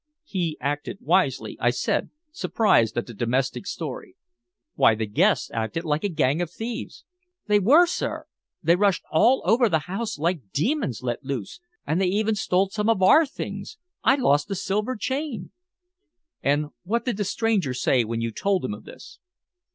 "He acted wisely," I said, surprised at the domestic's story. "Why, the guests acted like a gang of thieves." "They were, sir. They rushed all over the house like demons let loose, and they even stole some of our things. I lost a silver chain." "And what did the stranger say when you told him of this?"